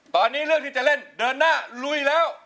ตอนนี้เลือกที่จะเล่นเดินหน้าลุยแล้ว